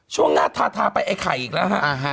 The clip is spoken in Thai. ช่วงหน้าทาทาไปไอ้ไข่อีกแล้วฮะ